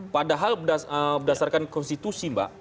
padahal berdasarkan konstitusi mbak